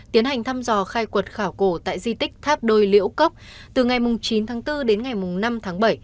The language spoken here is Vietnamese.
tiến hành thăm dò khai quật khảo cổ tại di tích tháp đôi liễu cốc từ ngày chín tháng bốn đến ngày năm tháng bảy